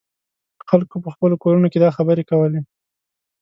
خلکو په خپلو کورونو کې دا خبرې کولې.